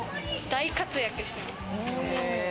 大活躍してます。